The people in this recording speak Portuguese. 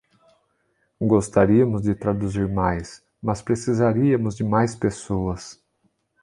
Gostaríamos de traduzir mais, mas precisaríamos de mais pessoas.